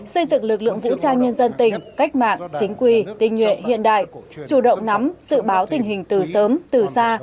xây dựng lực lượng vũ trang nhân dân tỉnh cách mạng chính quy tinh nhuệ hiện đại chủ động nắm sự báo tình hình từ sớm từ xa